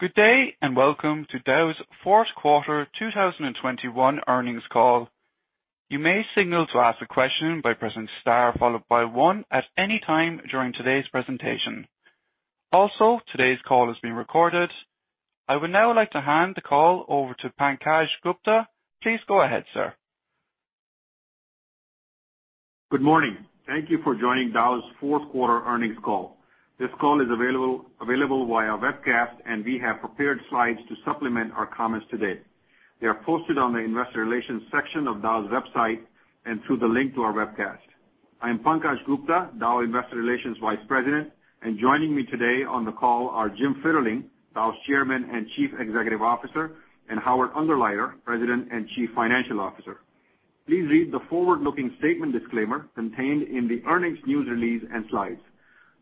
Good day, and welcome to Dow's Fourth Quarter 2021 Earnings Call. You may signal to ask a question by pressing star followed by one at any time during today's presentation. Also, today's call is being recorded. I would now like to hand the call over to Pankaj Gupta. Please go ahead, sir. Good morning. Thank you for joining Dow's fourth quarter earnings call. This call is available via webcast and we have prepared slides to supplement our comments today. They are posted on the investor relations section of Dow's website and through the link to our webcast. I am Pankaj Gupta, Dow Investor Relations Vice President, and joining me today on the call are Jim Fitterling, Dow's Chairman and Chief Executive Officer, and Howard Ungerleider, President and Chief Financial Officer. Please read the forward-looking statement disclaimer contained in the earnings news release and slides.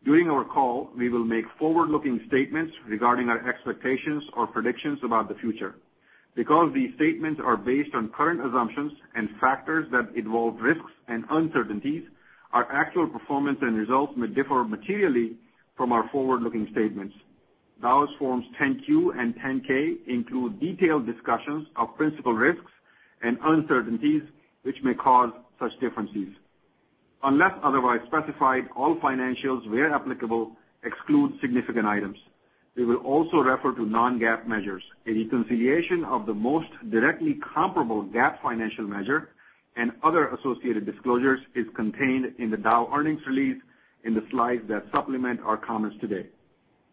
During our call, we will make forward-looking statements regarding our expectations or predictions about the future. Because these statements are based on current assumptions and factors that involve risks and uncertainties, our actual performance and results may differ materially from our forward-looking statements. Dow's Form 10-Q and 10-K include detailed discussions of principal risks and uncertainties which may cause such differences. Unless otherwise specified, all financials, where applicable, exclude significant items. We will also refer to non-GAAP measures. A reconciliation of the most directly comparable GAAP financial measure and other associated disclosures is contained in the Dow earnings release in the slides that supplement our comments today,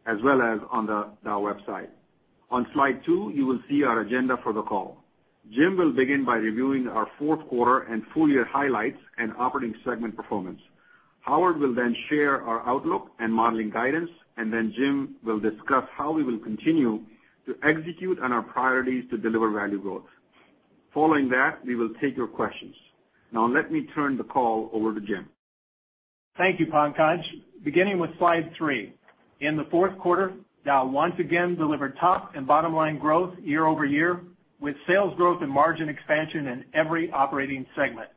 as well as on the Dow website. On slide two, you will see our agenda for the call. Jim will begin by reviewing our fourth quarter and full year highlights and operating segment performance. Howard will then share our outlook and modeling guidance, and then Jim will discuss how we will continue to execute on our priorities to deliver value growth. Following that, we will take your questions. Now let me turn the call over to Jim. Thank you, Pankaj. Beginning with slide three. In the fourth quarter, Dow once again delivered top and bottom line growth year-over-year, with sales growth and margin expansion in every operating segment.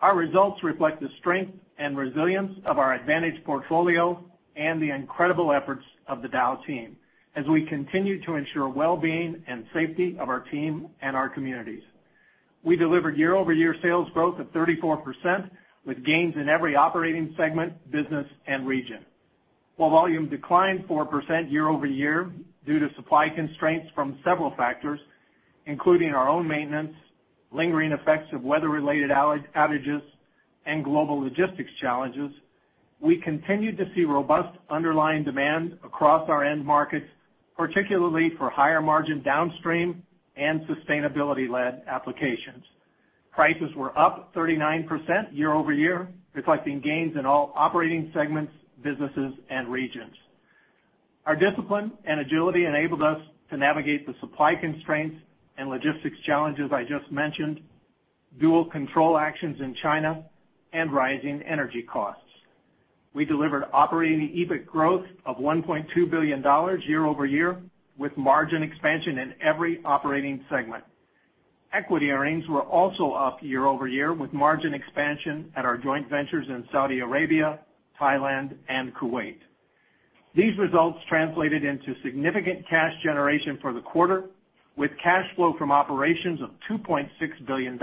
Our results reflect the strength and resilience of our advantage portfolio and the incredible efforts of the Dow team as we continue to ensure well-being and safety of our team and our communities. We delivered year-over-year sales growth of 34%, with gains in every operating segment, business and region. While volume declined 4% year-over-year due to supply constraints from several factors, including our own maintenance, lingering effects of weather-related outages and global logistics challenges, we continued to see robust underlying demand across our end markets, particularly for higher margin downstream and sustainability-led applications. Prices were up 39% year-over-year, reflecting gains in all operating segments, businesses and regions. Our discipline and agility enabled us to navigate the supply constraints and logistics challenges I just mentioned, dual control actions in China and rising energy costs. We delivered operating EBIT growth of $1.2 billion year-over-year, with margin expansion in every operating segment. Equity earnings were also up year-over-year, with margin expansion at our joint ventures in Saudi Arabia, Thailand and Kuwait. These results translated into significant cash generation for the quarter, with cash flow from operations of $2.6 billion,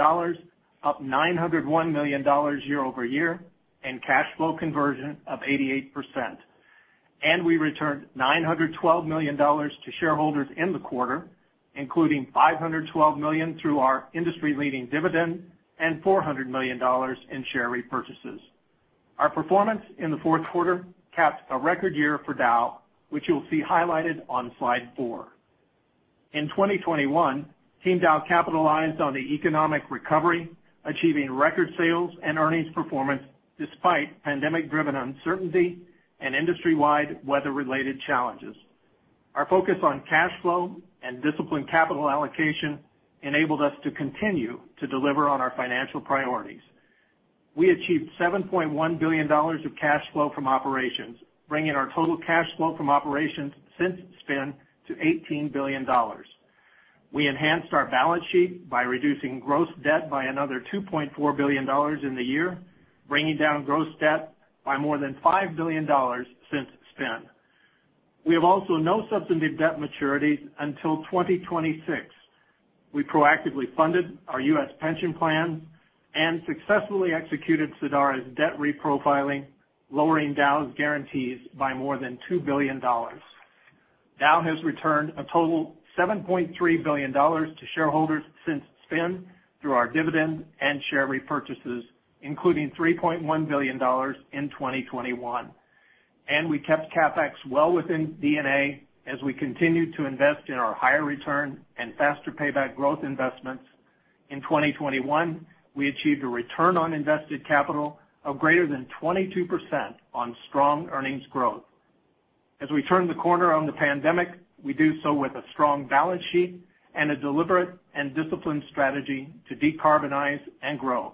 up $901 million year-over-year, and cash flow conversion of 88%. We returned $912 million to shareholders in the quarter, including $512 million through our industry-leading dividend and $400 million in share repurchases. Our performance in the fourth quarter capped a record year for Dow, which you'll see highlighted on slide four. In 2021, Team Dow capitalized on the economic recovery, achieving record sales and earnings performance despite pandemic driven uncertainty and industry-wide weather related challenges. Our focus on cash flow and disciplined capital allocation enabled us to continue to deliver on our financial priorities. We achieved $7.1 billion of cash flow from operations, bringing our total cash flow from operations since spin to $18 billion. We enhanced our balance sheet by reducing gross debt by another $2.4 billion in the year, bringing down gross debt by more than $5 billion since spin. We have also no substantive debt maturities until 2026. We proactively funded our U.S. pension plan and successfully executed Sadara's debt reprofiling, lowering Dow's guarantees by more than $2 billion. Dow has returned a total $7.3 billion to shareholders since spin through our dividend and share repurchases, including $3.1 billion in 2021. We kept CapEx well within D&A as we continued to invest in our higher return and faster payback growth investments. In 2021, we achieved a return on invested capital of greater than 22% on strong earnings growth. As we turn the corner on the pandemic, we do so with a strong balance sheet and a deliberate and disciplined strategy to decarbonize and grow.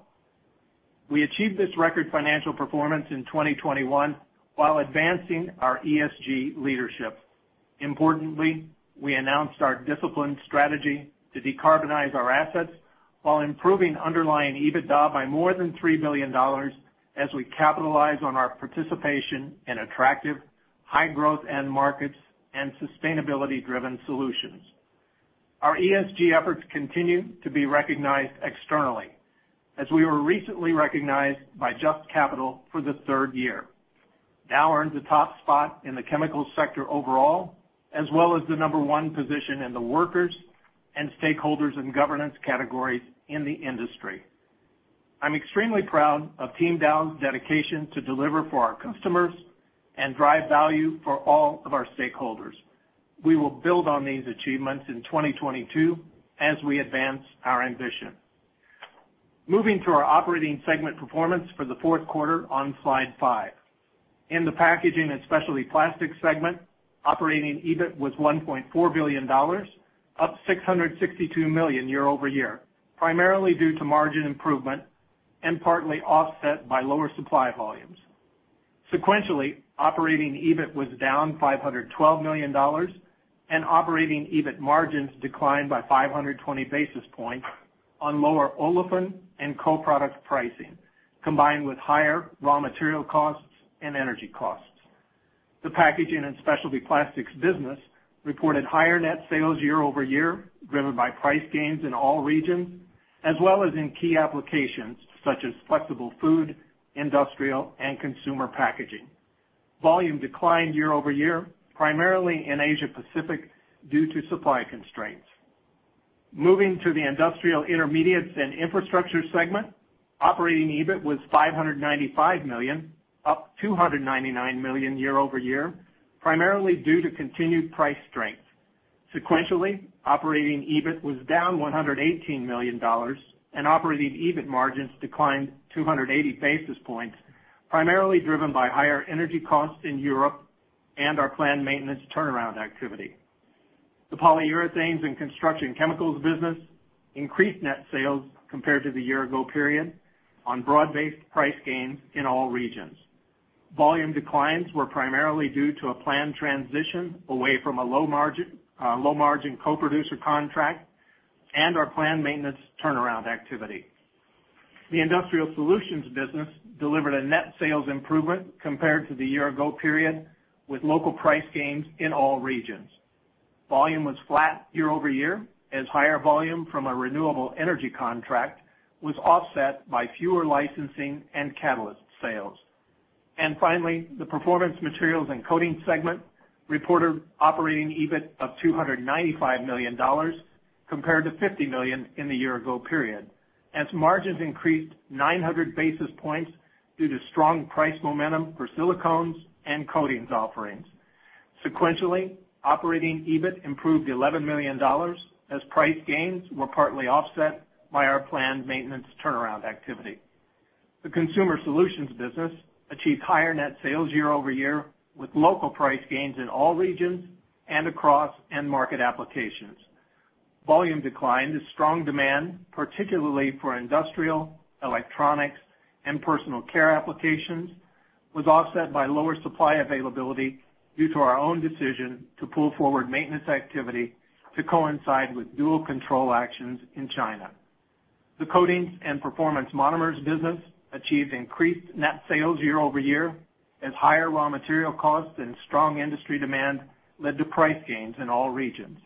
We achieved this record financial performance in 2021 while advancing our ESG leadership. Importantly, we announced our disciplined strategy to decarbonize our assets while improving underlying EBITDA by more than $3 billion as we capitalize on our participation in attractive high-growth end markets and sustainability-driven solutions. Our ESG efforts continue to be recognized externally as we were recently recognized by JUST Capital for the third year. Dow earned the top spot in the chemical sector overall, as well as the number one position in the workers and stakeholders and governance categories in the industry. I'm extremely proud of Team Dow's dedication to deliver for our customers and drive value for all of our stakeholders. We will build on these achievements in 2022 as we advance our ambition. Moving to our operating segment performance for the fourth quarter on slide five. In the Packaging & Specialty Plastics segment, operating EBIT was $1.4 billion, up $662 million year-over-year, primarily due to margin improvement and partly offset by lower supply volumes. Sequentially, operating EBIT was down $512 million and operating EBIT margins declined by 520 basis points on lower olefin and co-product pricing, combined with higher raw material costs and energy costs. The Packaging & Specialty Plastics business reported higher net sales year-over-year, driven by price gains in all regions as well as in key applications such as flexible food, industrial, and consumer packaging. Volume declined year-over-year, primarily in Asia Pacific due to supply constraints. Moving to the Industrial Intermediates & Infrastructure segment, operating EBIT was $595 million, up $299 million year-over-year, primarily due to continued price strength. Sequentially, operating EBIT was down $118 million and operating EBIT margins declined 280 basis points, primarily driven by higher energy costs in Europe and our planned maintenance turnaround activity. The Polyurethanes & Construction Chemicals business increased net sales compared to the year ago period on broad-based price gains in all regions. Volume declines were primarily due to a planned transition away from a low margin, low-margin co-producer contract and our planned maintenance turnaround activity. The Industrial Solutions business delivered a net sales improvement compared to the year ago period with local price gains in all regions. Volume was flat year over year as higher volume from a renewable energy contract was offset by fewer licensing and catalyst sales. Finally, the Performance Materials & Coatings segment reported operating EBIT of $295 million compared to $50 million in the year-ago period, as margins increased 900 basis points due to strong price momentum for silicones and coatings offerings. Sequentially, operating EBIT improved $11 million as price gains were partly offset by our planned maintenance turnaround activity. The Consumer Solutions business achieved higher net sales year-over-year with local price gains in all regions and across end-market applications. Volume declined despite strong demand, particularly for industrial, electronics, and personal care applications, was offset by lower supply availability due to our own decision to pull forward maintenance activity to coincide with dual control actions in China. The Coatings & Performance Monomers business achieved increased net sales year-over-year as higher raw material costs and strong industry demand led to price gains in all regions.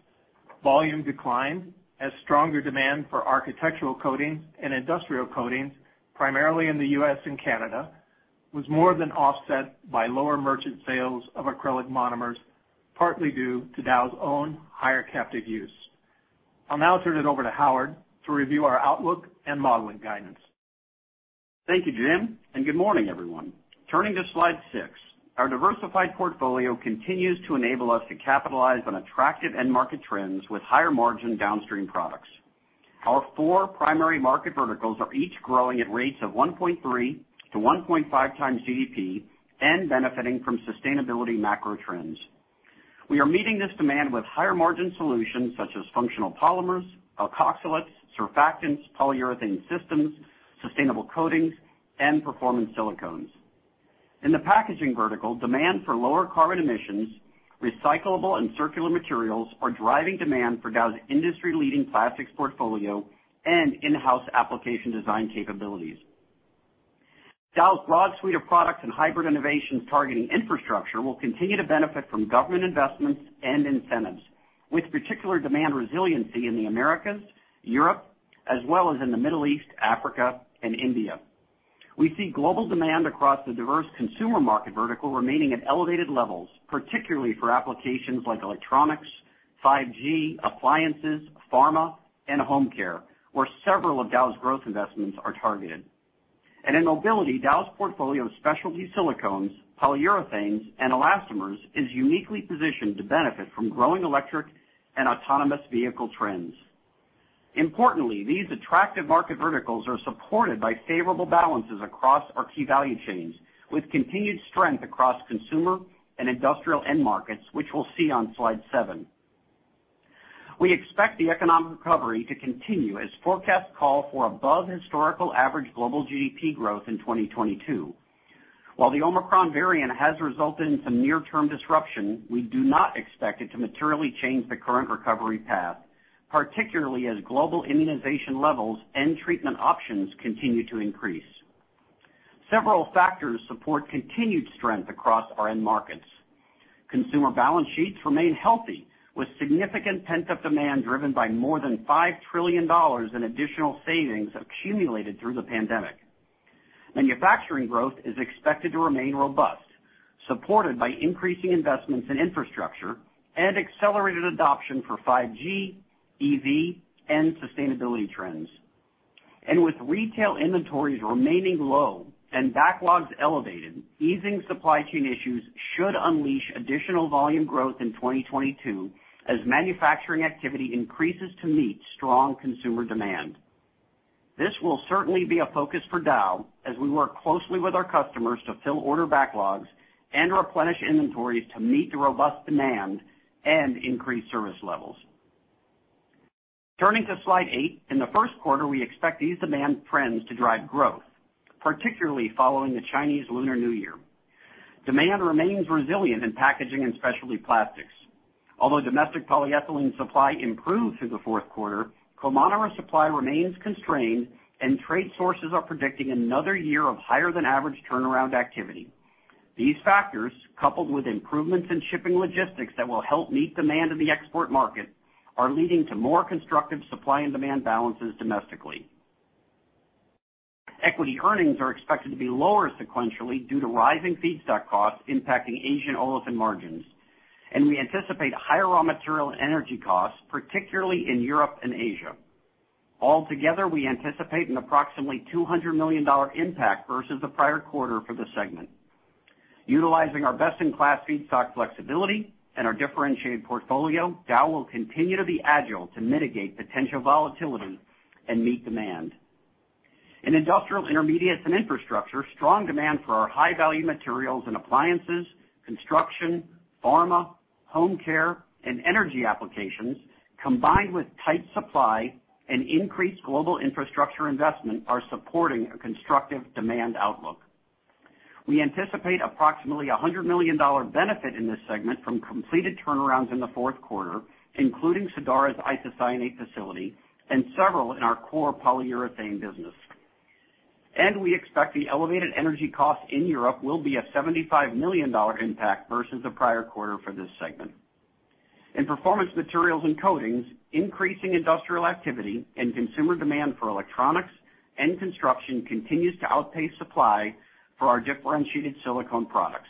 Volume declined as stronger demand for architectural coatings and industrial coatings, primarily in the U.S. and Canada, was more than offset by lower merchant sales of acrylic monomers, partly due to Dow's own higher captive use. I'll now turn it over to Howard to review our outlook and modeling guidance. Thank you, Jim, and good morning, everyone. Turning to slide six. Our diversified portfolio continues to enable us to capitalize on attractive end market trends with higher margin downstream products. Our four primary market verticals are each growing at rates of 1.3x -1.5x GDP and benefiting from sustainability macro trends. We are meeting this demand with higher margin solutions such as functional polymers, alkoxylates, surfactants, polyurethane systems, sustainable coatings, and performance silicones. In the packaging vertical, demand for lower carbon emissions, recyclable and circular materials are driving demand for Dow's industry-leading plastics portfolio and in-house application design capabilities. Dow's broad suite of products and hybrid innovations targeting infrastructure will continue to benefit from government investments and incentives, with particular demand resiliency in the Americas, Europe, as well as in the Middle East, Africa, and India. We see global demand across the diverse consumer market vertical remaining at elevated levels, particularly for applications like electronics, 5G, appliances, pharma, and home care, where several of Dow's growth investments are targeted. In mobility, Dow's portfolio of specialty silicones, polyurethanes, and elastomers is uniquely positioned to benefit from growing electric and autonomous vehicle trends. Importantly, these attractive market verticals are supported by favorable balances across our key value chains, with continued strength across consumer and industrial end markets, which we'll see on slide seven. We expect the economic recovery to continue as forecasts call for above historical average global GDP growth in 2022. While the Omicron variant has resulted in some near-term disruption, we do not expect it to materially change the current recovery path, particularly as global immunization levels and treatment options continue to increase. Several factors support continued strength across our end markets. Consumer balance sheets remain healthy, with significant pent-up demand driven by more than $5 trillion in additional savings accumulated through the pandemic. Manufacturing growth is expected to remain robust, supported by increasing investments in infrastructure and accelerated adoption for 5G, EV, and sustainability trends. With retail inventories remaining low and backlogs elevated, easing supply chain issues should unleash additional volume growth in 2022 as manufacturing activity increases to meet strong consumer demand. This will certainly be a focus for Dow as we work closely with our customers to fill order backlogs and replenish inventories to meet the robust demand and increase service levels. Turning to slide eight, in the first quarter, we expect these demand trends to drive growth, particularly following the Chinese Lunar New Year. Demand remains resilient in Packaging & Specialty Plastics. Although domestic polyethylene supply improved through the fourth quarter, co-monomer supply remains constrained, and trade sources are predicting another year of higher than average turnaround activity. These factors, coupled with improvements in shipping logistics that will help meet demand in the export market, are leading to more constructive supply and demand balances domestically. Equity earnings are expected to be lower sequentially due to rising feedstock costs impacting Asian olefin margins, and we anticipate higher raw material and energy costs, particularly in Europe and Asia. Altogether, we anticipate an approximately $200 million impact versus the prior quarter for the segment. Utilizing our best-in-class feedstock flexibility and our differentiated portfolio, Dow will continue to be agile to mitigate potential volatility and meet demand. In Industrial Intermediates & Infrastructure, strong demand for our high-value materials and appliances, construction, pharma, home care, and energy applications, combined with tight supply and increased global infrastructure investment, are supporting a constructive demand outlook. We anticipate approximately $100 million benefit in this segment from completed turnarounds in the fourth quarter, including Sadara's isocyanate facility and several in our core polyurethane business. We expect the elevated energy cost in Europe will be a $75 million impact versus the prior quarter for this segment. In Performance Materials & Coatings, increasing industrial activity and consumer demand for electronics and construction continues to outpace supply for our differentiated silicone products.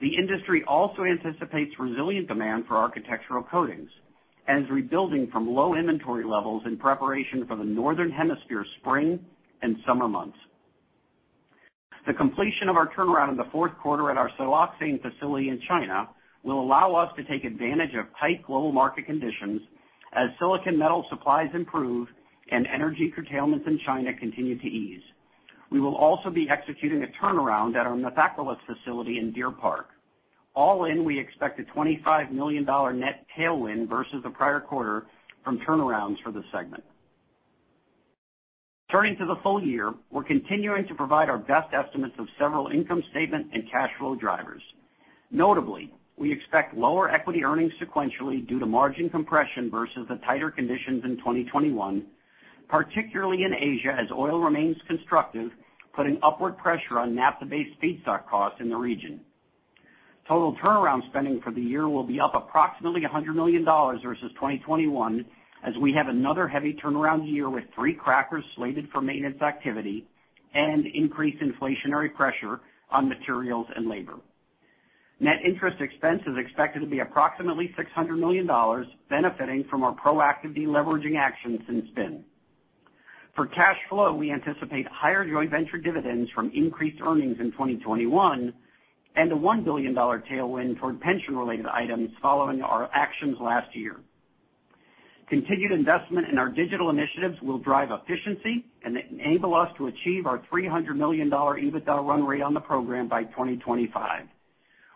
The industry also anticipates resilient demand for architectural coatings and is rebuilding from low inventory levels in preparation for the Northern Hemisphere spring and summer months. The completion of our turnaround in the fourth quarter at our siloxane facility in China will allow us to take advantage of tight global market conditions as silicon metal supplies improve and energy curtailments in China continue to ease. We will also be executing a turnaround at our methacrylic facility in Deer Park. All in, we expect a $25 million net tailwind versus the prior quarter from turnarounds for the segment. Turning to the full year, we're continuing to provide our best estimates of several income statement and cash flow drivers. Notably, we expect lower equity earnings sequentially due to margin compression versus the tighter conditions in 2021, particularly in Asia, as oil remains constructive, putting upward pressure on naphtha-based feedstock costs in the region. Total turnaround spending for the year will be up approximately $100 million versus 2021, as we have another heavy turnaround year with three crackers slated for maintenance activity and increased inflationary pressure on materials and labor. Net interest expense is expected to be approximately $600 million, benefiting from our proactive deleveraging actions since then. For cash flow, we anticipate higher joint venture dividends from increased earnings in 2021 and a $1 billion tailwind toward pension-related items following our actions last year. Continued investment in our digital initiatives will drive efficiency and enable us to achieve our $300 million EBITDA run rate on the program by 2025.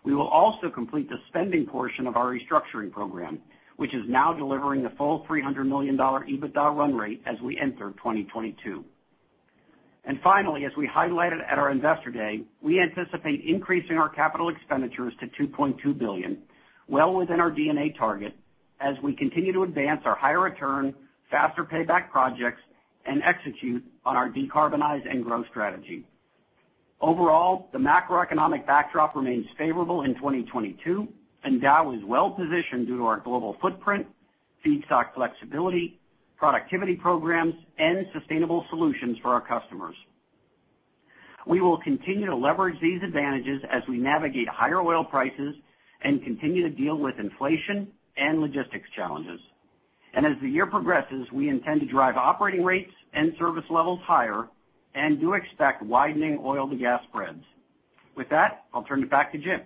We will also complete the spending portion of our restructuring program, which is now delivering the full $300 million EBITDA run rate as we enter 2022. Finally, as we highlighted at our Investor Day, we anticipate increasing our capital expenditures to $2.2 billion, well within our D&A target, as we continue to advance our higher return, faster payback projects and execute on our decarbonize and growth strategy. Overall, the macroeconomic backdrop remains favorable in 2022, and Dow is well-positioned due to our global footprint, feedstock flexibility, productivity programs, and sustainable solutions for our customers. We will continue to leverage these advantages as we navigate higher oil prices and continue to deal with inflation and logistics challenges. As the year progresses, we intend to drive operating rates and service levels higher and do expect widening oil to gas spreads. With that, I'll turn it back to Jim.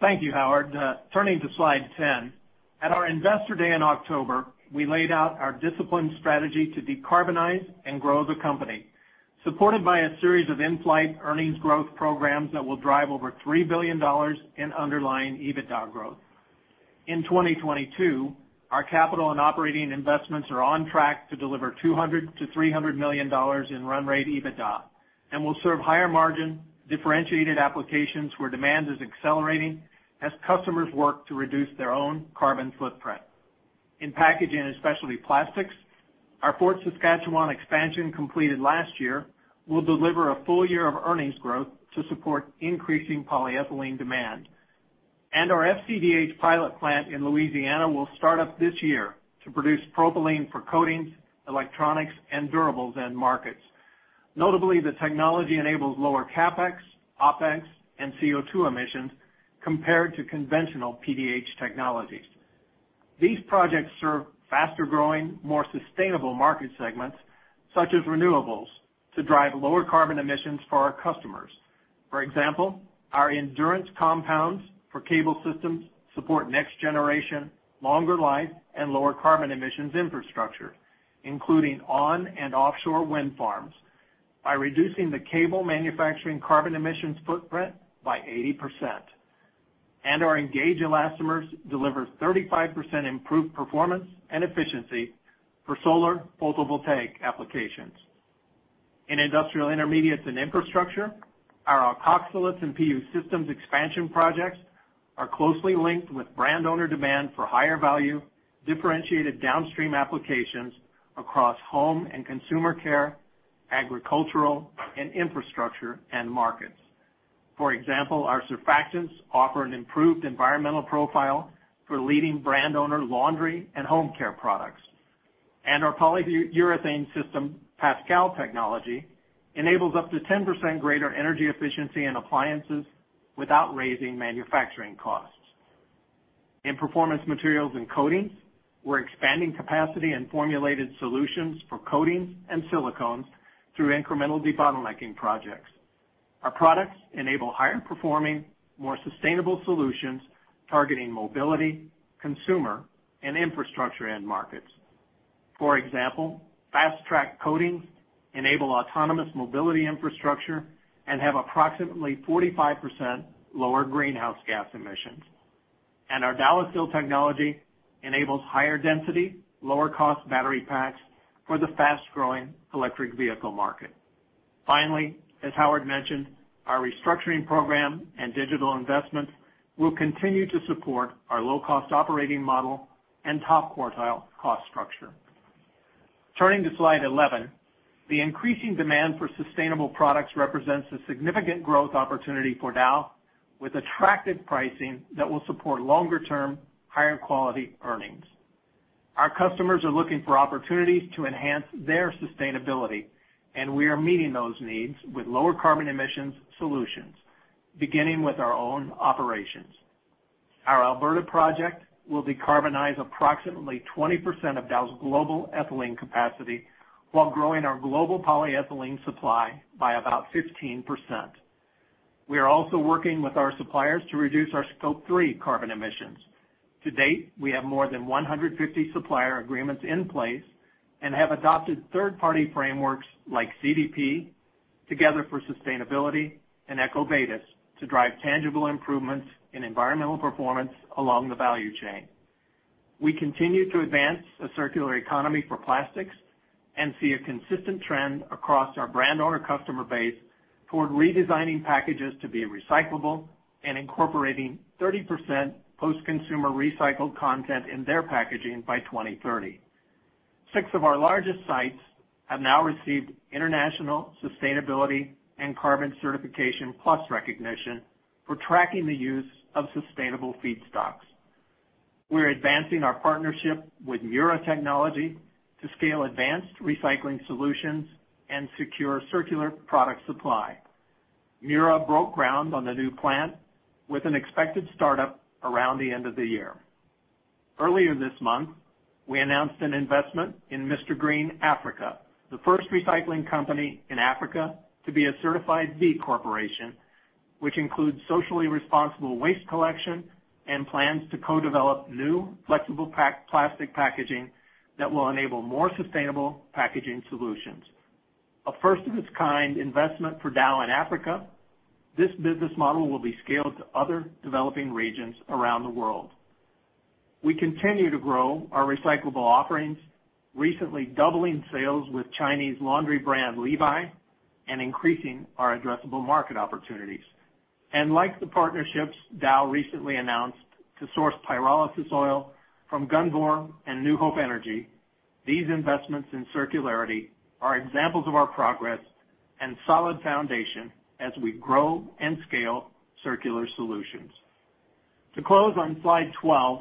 Thank you, Howard. Turning to slide 10. At our Investor Day in October, we laid out our disciplined strategy to decarbonize and grow the company supported by a series of in-flight earnings growth programs that will drive over $3 billion in underlying EBITDA growth. In 2022, our capital and operating investments are on track to deliver $200 million-$300 million in run rate EBITDA and will serve higher margin, differentiated applications where demand is accelerating as customers work to reduce their own carbon footprint. In Packaging & Specialty Plastics, our Fort Saskatchewan expansion completed last year will deliver a full year of earnings growth to support increasing polyethylene demand. Our FCDh pilot plant in Louisiana will start up this year to produce propylene for coatings, electronics, and durables end markets. Notably, the technology enables lower CapEx, OpEx, and CO₂ emissions compared to conventional PDH technologies. These projects serve faster-growing, more sustainable market segments such as renewables to drive lower carbon emissions for our customers. For example, our ENDURANCE compounds for cable systems support next generation, longer life, and lower carbon emissions infrastructure, including on and offshore wind farms by reducing the cable manufacturing carbon emissions footprint by 80%. Our ENGAGE elastomers deliver 35% improved performance and efficiency for solar photovoltaic applications. In Industrial Intermediates & Infrastructure, our alkoxylates and PU systems expansion projects are closely linked with brand owner demand for higher value, differentiated downstream applications across home and consumer care, agricultural, and infrastructure end markets. For example, our surfactants offer an improved environmental profile for leading brand owner laundry and home care products. Our polyurethane system, PASCAL Technology, enables up to 10% greater energy efficiency in appliances without raising manufacturing costs. In Performance Materials & Coatings, we're expanding capacity and formulated solutions for coatings and silicones through incremental debottlenecking projects. Our products enable higher performing, more sustainable solutions targeting mobility, consumer, and infrastructure end markets. For example, FASTRACK coatings enable autonomous mobility infrastructure and have approximately 45% lower greenhouse gas emissions. Our DOWSIL technology enables higher density, lower cost battery packs for the fast-growing electric vehicle market. Finally, as Howard mentioned, our restructuring program and digital investments will continue to support our low-cost operating model and top-quartile cost structure. Turning to slide 11. The increasing demand for sustainable products represents a significant growth opportunity for Dow, with attractive pricing that will support longer-term, higher quality earnings. Our customers are looking for opportunities to enhance their sustainability, and we are meeting those needs with lower carbon emissions solutions, beginning with our own operations. Our Alberta project will decarbonize approximately 20% of Dow's global ethylene capacity while growing our global polyethylene supply by about 15%. We are also working with our suppliers to reduce our Scope 3 carbon emissions. To date, we have more than 150 supplier agreements in place and have adopted third-party frameworks like CDP, Together for Sustainability, and EcoVadis to drive tangible improvements in environmental performance along the value chain. We continue to advance a circular economy for plastics and see a consistent trend across our brand owner customer base toward redesigning packages to be recyclable and incorporating 30% post-consumer recycled content in their packaging by 2030. Six of our largest sites have now received international sustainability and carbon certification plus recognition for tracking the use of sustainable feedstocks. We're advancing our partnership with Mura Technology to scale advanced recycling solutions and secure circular product supply. Mura broke ground on the new plant with an expected startup around the end of the year. Earlier this month, we announced an investment in Mr. Green Africa, the first recycling company in Africa to be a Certified B Corporation, which includes socially responsible waste collection and plans to co-develop new flexible pack plastic packaging that will enable more sustainable packaging solutions. A first of its kind investment for Dow in Africa, this business model will be scaled to other developing regions around the world. We continue to grow our recyclable offerings, recently doubling sales with Chinese laundry brand Liby and increasing our addressable market opportunities. Like the partnerships Dow recently announced to source pyrolysis oil from Gunvor and New Hope Energy, these investments in circularity are examples of our progress and solid foundation as we grow and scale circular solutions. To close on slide 12,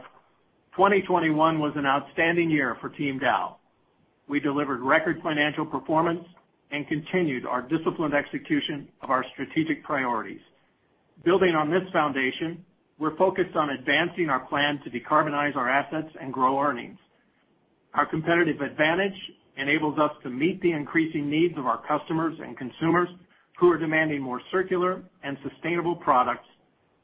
2021 was an outstanding year for Team Dow. We delivered record financial performance and continued our disciplined execution of our strategic priorities. Building on this foundation, we're focused on advancing our plan to decarbonize our assets and grow earnings. Our competitive advantage enables us to meet the increasing needs of our customers and consumers who are demanding more circular and sustainable products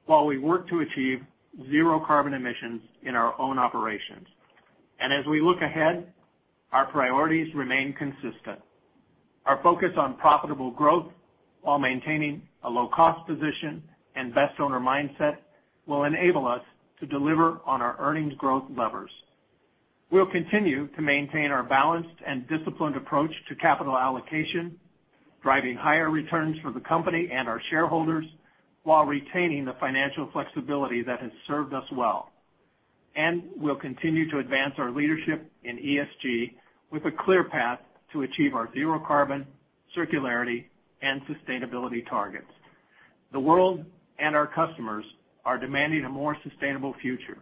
while we work to achieve zero carbon emissions in our own operations. As we look ahead, our priorities remain consistent. Our focus on profitable growth while maintaining a low cost position and best owner mindset will enable us to deliver on our earnings growth levers. We'll continue to maintain our balanced and disciplined approach to capital allocation, driving higher returns for the company and our shareholders while retaining the financial flexibility that has served us well. We'll continue to advance our leadership in ESG with a clear path to achieve our zero carbon, circularity, and sustainability targets. The world and our customers are demanding a more sustainable future.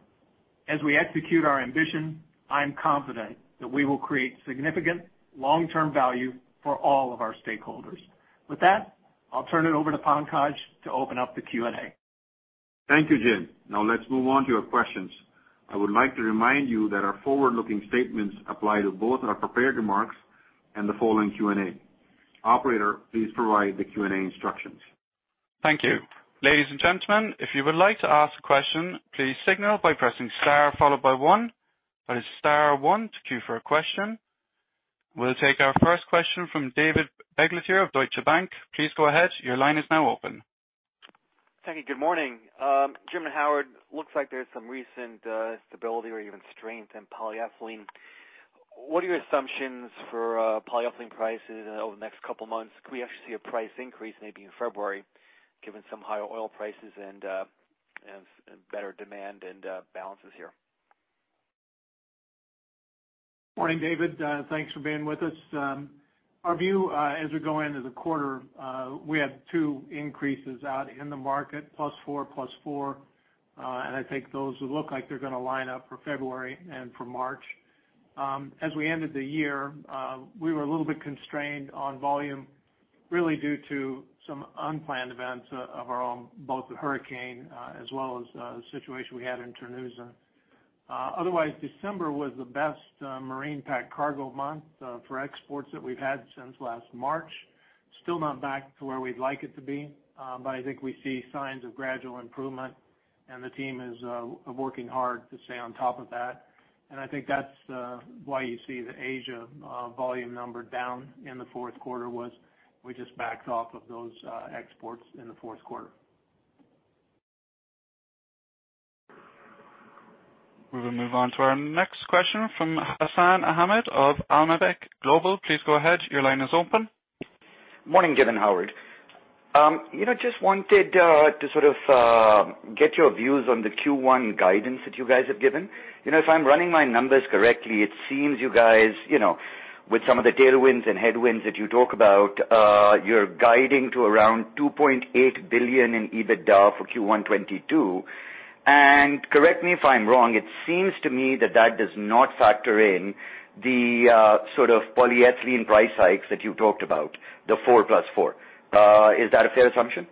As we execute our ambition, I am confident that we will create significant long-term value for all of our stakeholders. With that, I'll turn it over to Pankaj to open up the Q&A. Thank you, Jim. Now let's move on to your questions. I would like to remind you that our forward-looking statements apply to both our prepared remarks and the following Q&A. Operator, please provide the Q&A instructions. Thank you. Ladies and gentlemen, if you would like to ask a question, please signal by pressing star followed by one. That is star one to queue for a question. We'll take our first question from David Begleiter of Deutsche Bank. Please go ahead. Your line is now open. Thank you. Good morning. Jim and Howard, looks like there's some recent stability or even strength in polyethylene. What are your assumptions for polyethylene prices over the next couple of months? Could we actually see a price increase maybe in February given some higher oil prices and better demand and balances here? Morning, David. Thanks for being with us. Our view, as we go into the quarter, we have two increases out in the market, plus four, plus four. I think those look like they're gonna line up for February and for March. As we ended the year, we were a little bit constrained on volume really due to some unplanned events of our own, both the hurricane, as well as, the situation we had in Terneuzen. Otherwise, December was the best marine packed cargo month for exports that we've had since last March. Still not back to where we'd like it to be, but I think we see signs of gradual improvement and the team is working hard to stay on top of that. I think that's why you see the Asia volume number down in the fourth quarter was we just backed off of those exports in the fourth quarter. We will move on to our next question from Hassan Ahmed of Alembic Global Advisors. Please go ahead. Your line is open. Morning, Jim and Howard. You know, just wanted to sort of get your views on the Q1 guidance that you guys have given. You know, if I'm running my numbers correctly, it seems you guys, you know, with some of the tailwinds and headwinds that you talk about, you're guiding to around $2.8 billion in EBITDA for Q1 2022. Correct me if I'm wrong, it seems to me that that does not factor in the sort of polyethylene price hikes that you talked about, the four plus four. Is that a fair assumption?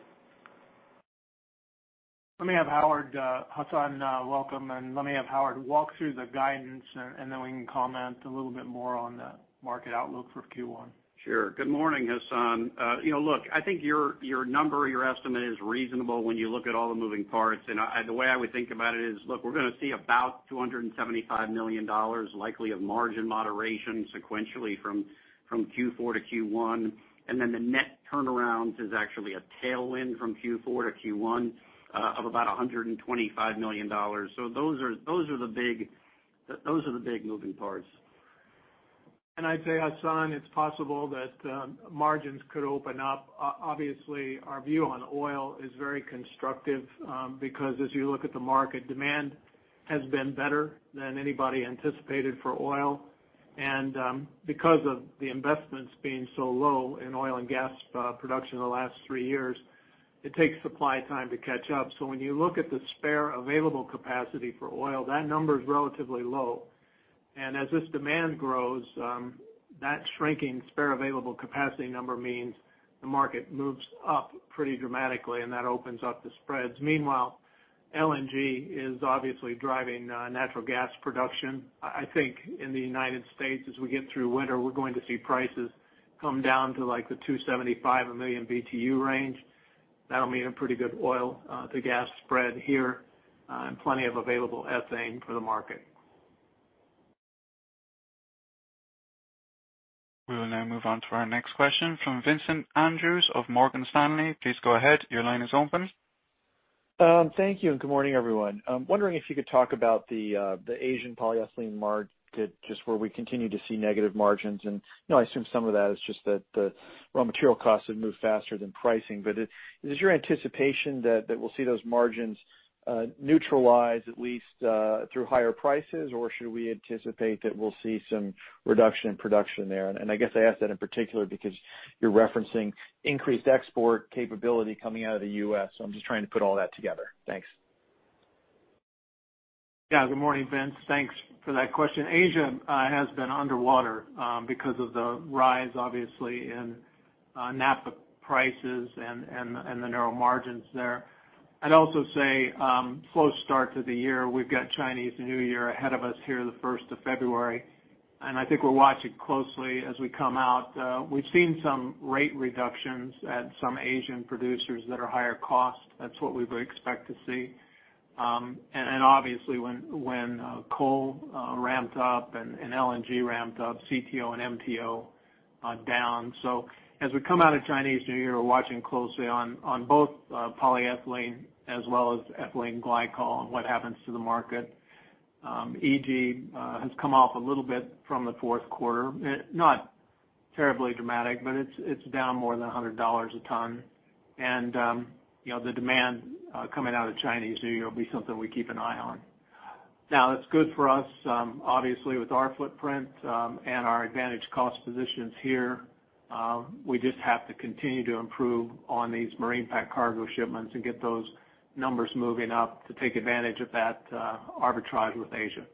Let me have Howard, Hassan, welcome, and let me have Howard walk through the guidance and then we can comment a little bit more on the market outlook for Q1. Sure. Good morning, Hassan. You know, look, I think your number, your estimate is reasonable when you look at all the moving parts. The way I would think about it is, look, we're gonna see about $275 million likely of margin moderation sequentially from Q4 to Q1. Then the net turnaround is actually a tailwind from Q4 to Q1 of about $125 million. Those are the big moving parts. I'd say, Hassan, it's possible that margins could open up. Obviously, our view on oil is very constructive, because as you look at the market, demand has been better than anybody anticipated for oil. Because of the investments being so low in oil and gas production in the last three years, it takes supply time to catch up. When you look at the spare available capacity for oil, that number is relatively low. As this demand grows, that shrinking spare available capacity number means the market moves up pretty dramatically, and that opens up the spreads. Meanwhile, LNG is obviously driving natural gas production. I think in the United States as we get through winter, we're going to see prices come down to like the $2.75 per million BTU range. That'll mean a pretty good oil-to-gas spread here and plenty of available ethane for the market. We will now move on to our next question from Vincent Andrews of Morgan Stanley. Please go ahead. Your line is open. Thank you and good morning, everyone. I'm wondering if you could talk about the Asian polyethylene market, just where we continue to see negative margins. You know, I assume some of that is just that the raw material costs have moved faster than pricing. It is your anticipation that we'll see those margins neutralize at least through higher prices? Or should we anticipate that we'll see some reduction in production there? I guess I ask that in particular because you're referencing increased export capability coming out of the U.S. I'm just trying to put all that together. Thanks. Yeah. Good morning, Vince. Thanks for that question. Asia has been underwater because of the rise, obviously, in naphtha prices and the narrow margins there. I'd also say slow start to the year. We've got Chinese New Year ahead of us here the first of February. I think we're watching closely as we come out. We've seen some rate reductions at some Asian producers that are higher cost. That's what we would expect to see. Obviously when coal ramped up and LNG ramped up, CTO and MTO are down. So as we come out of Chinese New Year, we're watching closely on both polyethylene as well as ethylene glycol and what happens to the market. EG has come off a little bit from the fourth quarter. Not terribly dramatic, but it's down more than $100 a ton. You know, the demand coming out of Chinese New Year will be something we keep an eye on. Now that's good for us, obviously with our footprint and our advantaged cost positions here. We just have to continue to improve on these marine bulk cargo shipments and get those numbers moving up to take advantage of that arbitrage with Asia.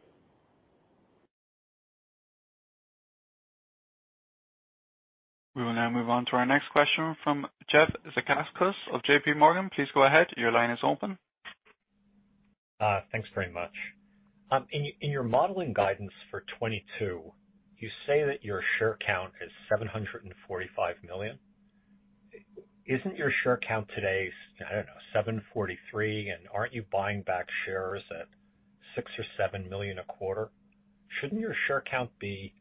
We will now move on to our next question from Jeff Zekauskas of JPMorgan. Please go ahead. Your line is open. Thanks very much. In your modeling guidance for 2022, you say that your share count is 745 million. Isn't your share count today, I don't know, 743, and aren't you buying back shares at 6 or 7 million a quarter? Shouldn't your share count be,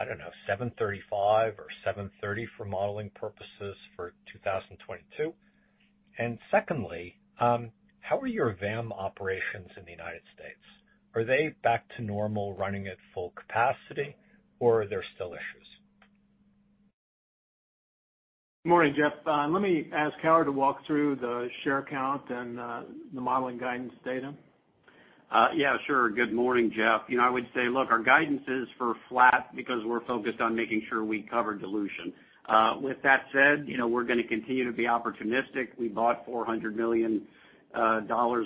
I don't know, 735 or 730 for modeling purposes for 2022? And secondly, how are your VAM operations in the United States? Are they back to normal running at full capacity or are there still issues? Morning, Jeff. Let me ask Howard to walk through the share count and the modeling guidance data. Yeah, sure. Good morning, Jeff. You know, I would say, look, our guidance is for flat because we're focused on making sure we cover dilution. With that said, you know, we're gonna continue to be opportunistic. We bought $400 million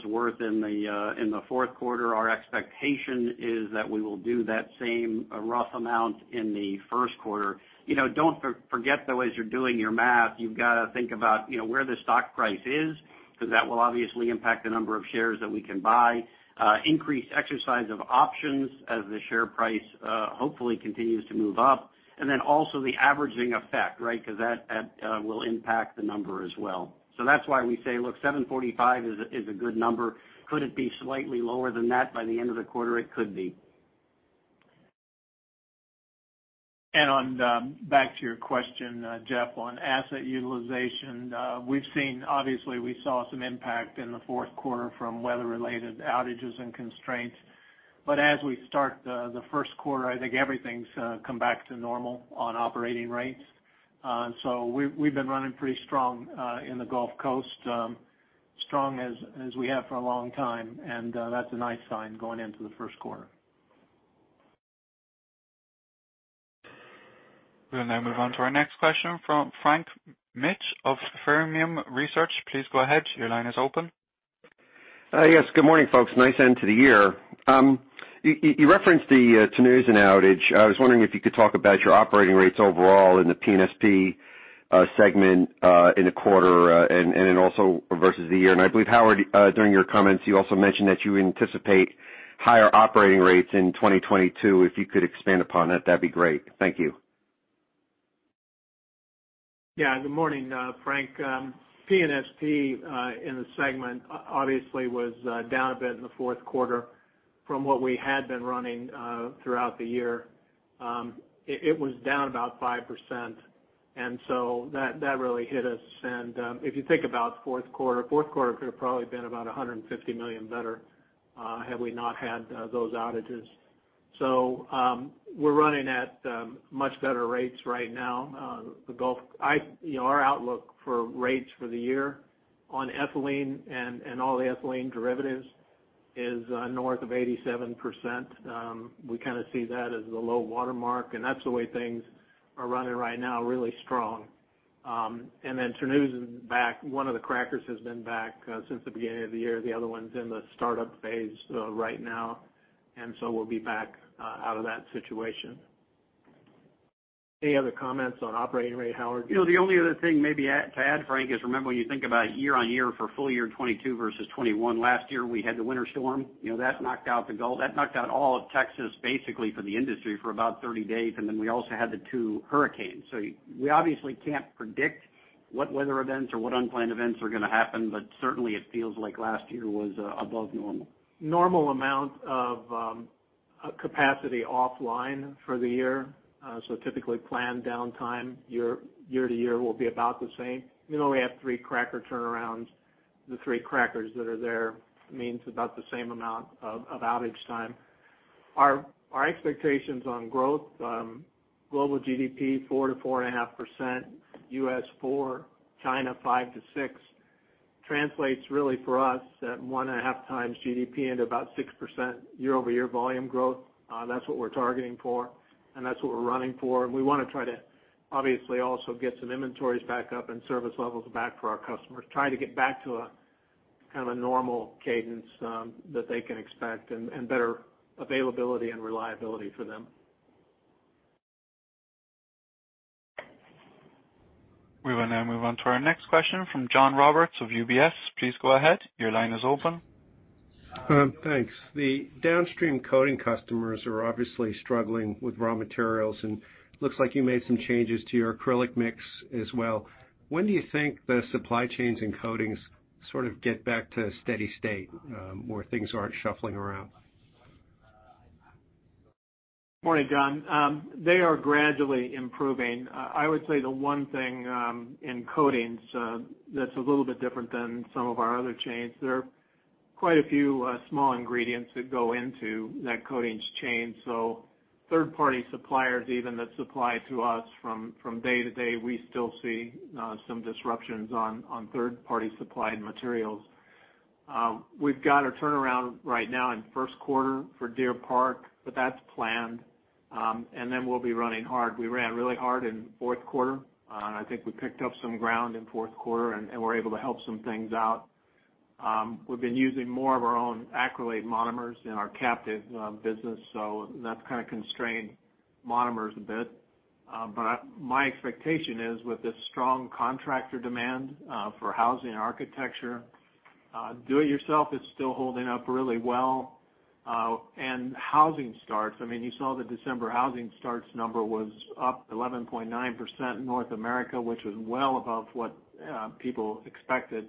worth in the fourth quarter. Our expectation is that we will do that same rough amount in the first quarter. You know, don't forget though, as you're doing your math, you've gotta think about, you know, where the stock price is, because that will obviously impact the number of shares that we can buy. Increased exercise of options as the share price hopefully continues to move up. Then also the averaging effect, right? Because that will impact the number as well. That's why we say, look, $7.45 is a good number. Could it be slightly lower than that by the end of the quarter? It could be. Back to your question, Jeff, on asset utilization. We've seen, obviously we saw some impact in the fourth quarter from weather related outages and constraints. As we start the first quarter, I think everything's come back to normal on operating rates. We've been running pretty strong in the Gulf Coast, strong as we have for a long time. That's a nice sign going into the first quarter. We'll now move on to our next question from Frank Mitsch of Fermium Research. Please go ahead. Your line is open. Yes, good morning, folks. Nice end to the year. You referenced the Terneuzen outage. I was wondering if you could talk about your operating rates overall in the P&SP segment in the quarter and then also versus the year. I believe, Howard, during your comments, you also mentioned that you anticipate higher operating rates in 2022. If you could expand upon that'd be great. Thank you. Yeah. Good morning, Frank. P&SP in the segment obviously was down a bit in the fourth quarter from what we had been running throughout the year. It was down about 5%, and so that really hit us. If you think about fourth quarter, it could have probably been about $150 million better had we not had those outages. We're running at much better rates right now. The Gulf. You know, our outlook for rates for the year on ethylene and all the ethylene derivatives is north of 87%. We kinda see that as the low watermark, and that's the way things are running right now, really strong. Terneuzen's back. One of the crackers has been back since the beginning of the year. The other one's in the startup phase right now. We'll be back out of that situation. Any other comments on operating rate, Howard? You know, the only other thing maybe to add, Frank, is remember when you think about year-on-year for full year 2022 versus 2021. Last year, we had the winter storm. You know, that knocked out the Gulf. That knocked out all of Texas, basically for the industry for about 30 days. Then we also had the two hurricanes. We obviously can't predict what weather events or what unplanned events are gonna happen. Certainly it feels like last year was above normal. Normal amount of capacity offline for the year. Typically planned downtime year to year will be about the same. You know, we have three cracker turnarounds. The three crackers that are there means about the same amount of outage time. Our expectations on growth, global GDP, 4%-4.5%, U.S., 4%, China, 5%-6%, translates really for us at 1.5x GDP into about 6% year-over-year volume growth. That's what we're targeting for, and that's what we're running for. We wanna try to obviously also get some inventories back up and service levels back for our customers. Try to get back to a kind of a normal cadence that they can expect and better availability and reliability for them. We will now move on to our next question from John Roberts of UBS. Please go ahead. Your line is open. Thanks. The downstream coating customers are obviously struggling with raw materials, and looks like you made some changes to your acrylic mix as well. When do you think the supply chains in coatings sort of get back to a steady state, where things aren't shuffling around? Morning, John. They are gradually improving. I would say the one thing in coatings that's a little bit different than some of our other chains, there are quite a few small ingredients that go into that coatings chain. So third party suppliers even that supply to us from day to day, we still see some disruptions on third party supplied materials. We've got a turnaround right now in first quarter for Deer Park, but that's planned. We'll be running hard. We ran really hard in fourth quarter, and I think we picked up some ground in fourth quarter and were able to help some things out. We've been using more of our own acrylate monomers in our captive business, so that's kinda constrained monomers a bit. My expectation is with the strong contractor demand for housing, architectural, do-it-yourself is still holding up really well. And housing starts, I mean, you saw the December housing starts number was up 11.9% North America, which was well above what people expected.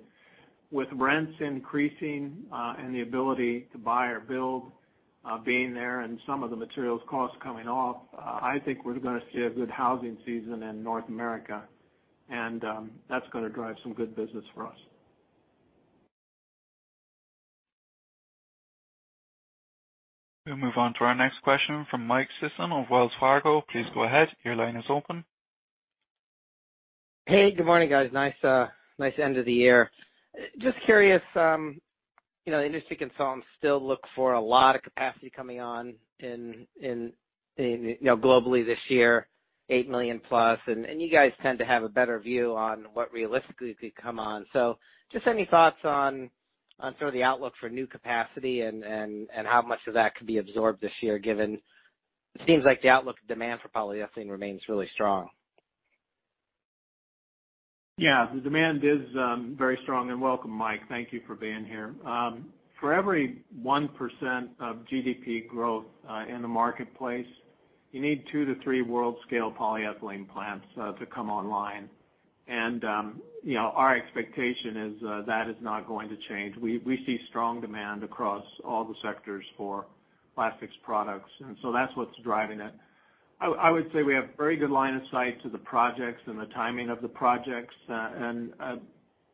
With rents increasing and the ability to buy or build being there and some of the materials costs coming off, I think we're gonna see a good housing season in North America, and that's gonna drive some good business for us. We'll move on to our next question from Mike Sison of Wells Fargo. Please go ahead. Your line is open. Hey, good morning, guys. Nice end of the year. Just curious, you know, the industry consultants still look for a lot of capacity coming on in globally this year, 8 million plus, and you guys tend to have a better view on what realistically could come on. Just any thoughts on sort of the outlook for new capacity and how much of that could be absorbed this year, given it seems like the outlook demand for polyethylene remains really strong. Yeah, the demand is very strong. Welcome, Mike, thank you for being here. For every 1% of GDP growth in the marketplace, you need two to three world scale polyethylene plants to come online. You know, our expectation is that is not going to change. We see strong demand across all the sectors for plastics products, and so that's what's driving it. I would say we have very good line of sight to the projects and the timing of the projects.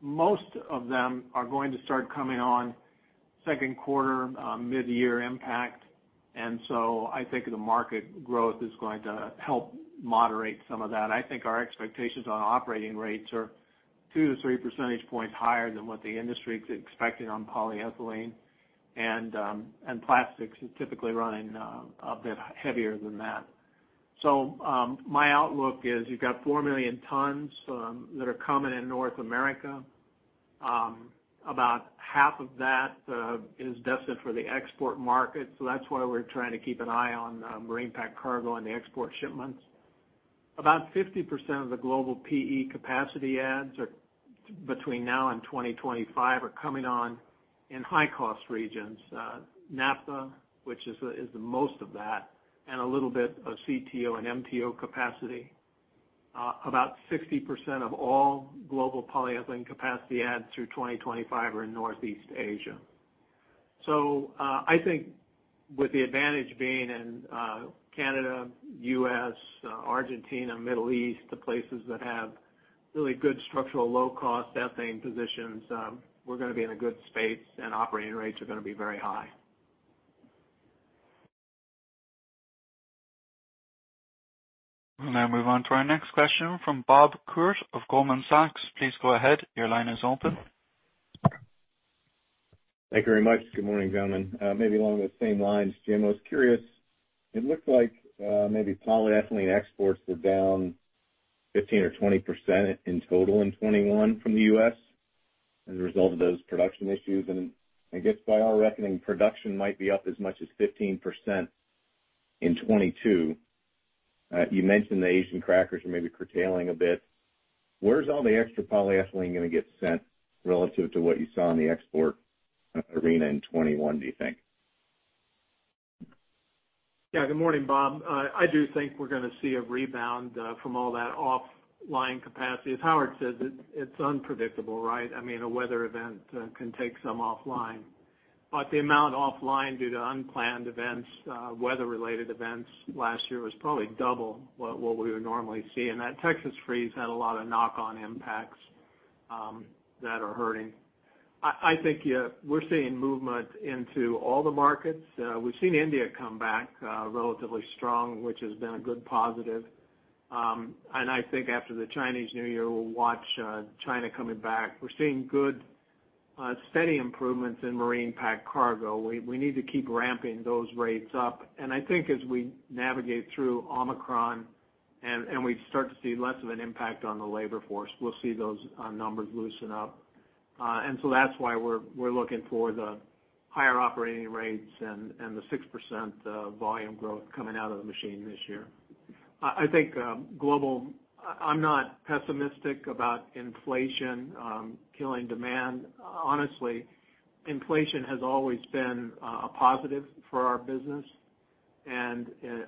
Most of them are going to start coming on second quarter, midyear impact. I think the market growth is going to help moderate some of that. I think our expectations on operating rates are 2 to 3 percentage points higher than what the industry is expecting on polyethylene. Plastics is typically running a bit heavier than that. My outlook is you've got 4 million tons that are coming in North America. About half of that is destined for the export market, so that's why we're trying to keep an eye on marine bulk cargo and the export shipments. About 50% of the global PE capacity adds are between now and 2025 are coming on in high cost regions. Naphtha, which is the most of that, and a little bit of CTO and MTO capacity. About 60% of all global polyethylene capacity adds through 2025 are in Northeast Asia. I think with the advantage being in Canada, U.S., Argentina, Middle East, the places that have really good structural low-cost ethane positions, we're gonna be in a good space, and operating rates are gonna be very high. We'll now move on to our next question from Bob Koort of Goldman Sachs. Please go ahead. Your line is open. Thank you very much. Good morning, gentlemen. Maybe along those same lines, Jim, I was curious, it looked like, maybe polyethylene exports were down 15% or 20% in total in 2021 from the U.S. as a result of those production issues. I guess by our reckoning, production might be up as much as 15% in 2022. You mentioned the Asian crackers are maybe curtailing a bit. Where's all the extra polyethylene gonna get sent relative to what you saw in the export arena in 2021, do you think? Yeah. Good morning, Bob. I do think we're gonna see a rebound from all that offline capacity. As Howard says, it's unpredictable, right? I mean, a weather event can take some offline. The amount offline due to unplanned events, weather related events last year was probably double what we would normally see. That Texas freeze had a lot of knock on impacts that are hurting. I think, yeah, we're seeing movement into all the markets. We've seen India come back relatively strong, which has been a good positive. I think after the Chinese New Year, we'll watch China coming back. We're seeing good steady improvements in marine packed cargo. We need to keep ramping those rates up. I think as we navigate through Omicron and we start to see less of an impact on the labor force, we'll see those numbers loosen up. That's why we're looking for the higher operating rates and the 6% volume growth coming out of the machine this year. I think I'm not pessimistic about inflation killing demand. Honestly, inflation has always been a positive for our business.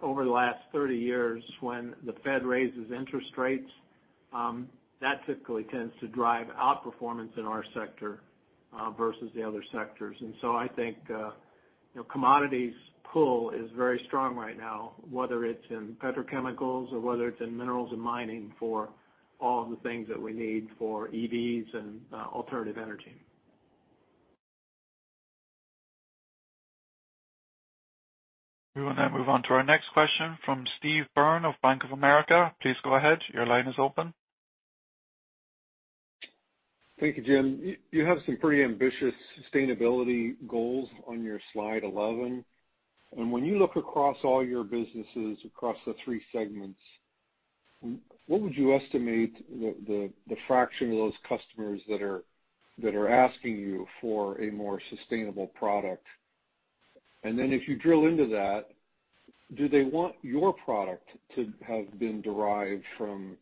Over the last 30 years, when the Fed raises interest rates, that typically tends to drive outperformance in our sector versus the other sectors. I think you know, commodities pull is very strong right now, whether it's in petrochemicals or whether it's in minerals and mining for all of the things that we need for EVs and alternative energy. We will now move on to our next question from Steve Byrne of Bank of America. Please go ahead. Your line is open. Thank you, Jim. You have some pretty ambitious sustainability goals on your slide 11. When you look across all your businesses across the three segments, what would you estimate the fraction of those customers that are asking you for a more sustainable product? Then if you drill into that, do they want your product to have been derived from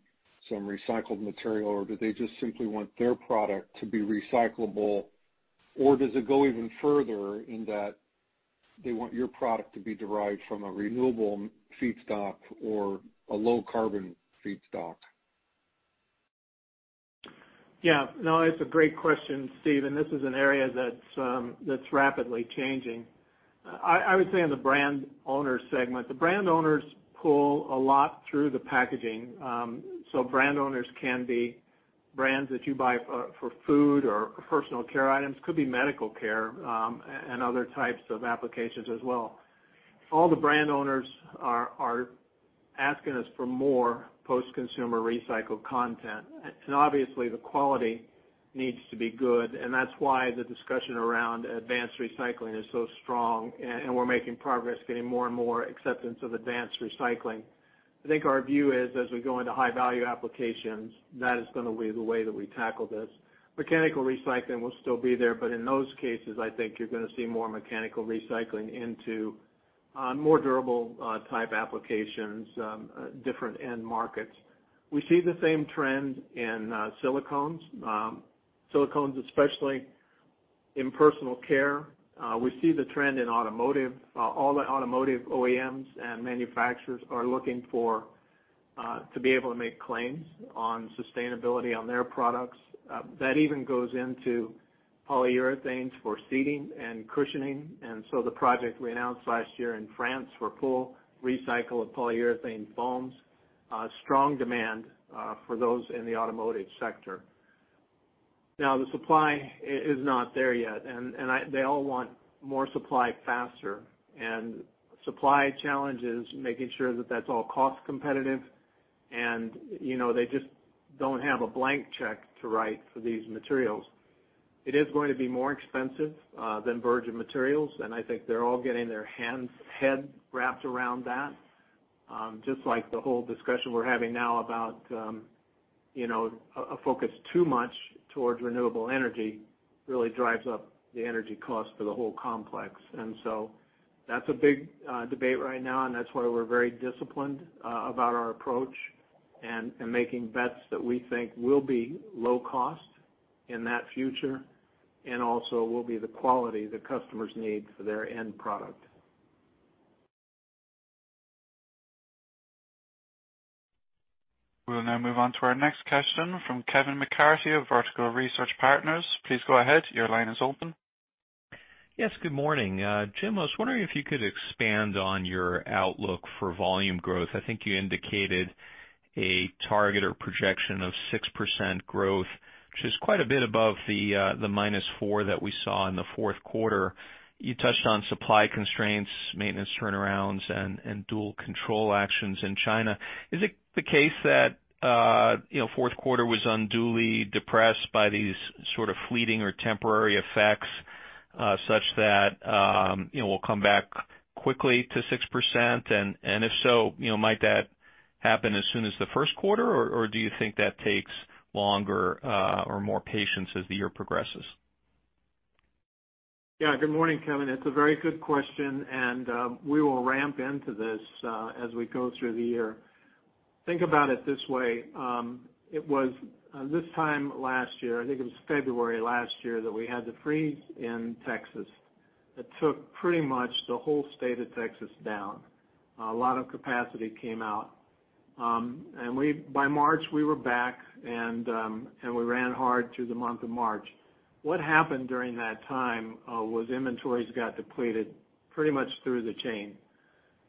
some recycled material, or do they just simply want their product to be recyclable? Or does it go even further in that they want your product to be derived from a renewable feedstock or a low carbon feedstock? Yeah. No, it's a great question, Steve, and this is an area that's rapidly changing. I would say on the brand owner segment, the brand owners pull a lot through the packaging. Brand owners can be brands that you buy for food or personal care items, could be medical care, and other types of applications as well. All the brand owners are asking us for more post-consumer recycled content. Obviously the quality needs to be good, and that's why the discussion around advanced recycling is so strong, and we're making progress getting more and more acceptance of advanced recycling. I think our view is as we go into high value applications, that is gonna be the way that we tackle this. Mechanical recycling will still be there, but in those cases, I think you're gonna see more mechanical recycling into more durable type applications, different end markets. We see the same trend in silicones. Silicones, especially in personal care. We see the trend in automotive. All the automotive OEMs and manufacturers are looking for to be able to make claims on sustainability on their products. That even goes into polyurethanes for seating and cushioning. The project we announced last year in France for full recycle of polyurethane foams, strong demand for those in the automotive sector. Now the supply is not there yet. They all want more supply faster. Supply challenge is making sure that that's all cost competitive. You know, they just don't have a blank check to write for these materials. It is going to be more expensive than virgin materials, and I think they're all getting their head wrapped around that. Just like the whole discussion we're having now about, you know, a focus too much towards renewable energy really drives up the energy cost for the whole complex. That's a big debate right now, and that's why we're very disciplined about our approach and making bets that we think will be low cost in that future and also will be the quality that customers need for their end product. We'll now move on to our next question from Kevin McCarthy of Vertical Research Partners. Please go ahead. Your line is open. Yes. Good morning. Jim, I was wondering if you could expand on your outlook for volume growth. I think you indicated a target or projection of 6% growth, which is quite a bit above the minus four that we saw in the fourth quarter. You touched on supply constraints, maintenance turnarounds, and dual control actions in China. Is it the case that, you know, fourth quarter was unduly depressed by these sort of fleeting or temporary effects, such that, you know, we'll come back quickly to 6%? If so, you know, might that happen as soon as the first quarter, or do you think that takes longer, or more patience as the year progresses? Yeah. Good morning, Kevin. It's a very good question, and we will ramp into this as we go through the year. Think about it this way. It was this time last year, I think it was February last year that we had the freeze in Texas that took pretty much the whole state of Texas down. A lot of capacity came out. By March, we were back and we ran hard through the month of March. What happened during that time was inventories got depleted pretty much through the chain.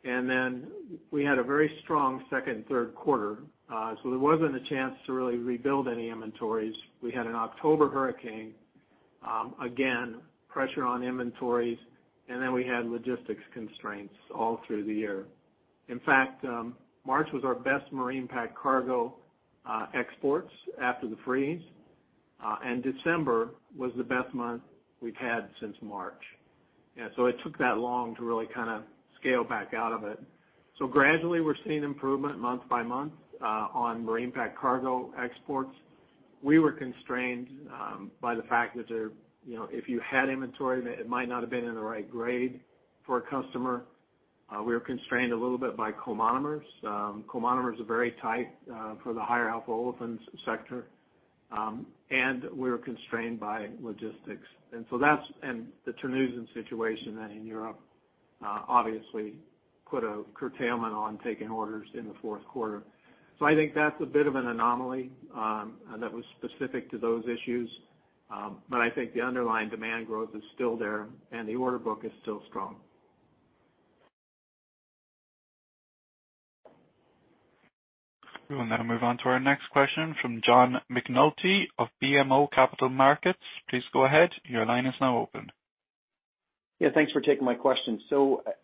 Then we had a very strong second, third quarter. There wasn't a chance to really rebuild any inventories. We had an October hurricane, again, pressure on inventories, and then we had logistics constraints all through the year. In fact, March was our best marine pack cargo exports after the freeze, and December was the best month we've had since March. Yeah, it took that long to really kind of scale back out of it. Gradually, we're seeing improvement month by month, on marine pack cargo exports. We were constrained by the fact that there, you know, if you had inventory, it might not have been in the right grade for a customer. We were constrained a little bit by comonomers. Comonomers are very tight for the higher olefins sector. And we were constrained by logistics. And so that's, and the Terneuzen situation in Europe obviously put a curtailment on taking orders in the fourth quarter. I think that's a bit of an anomaly, that was specific to those issues. I think the underlying demand growth is still there, and the order book is still strong. We will now move on to our next question from John McNulty of BMO Capital Markets. Please go ahead. Your line is now open. Yeah, thanks for taking my question.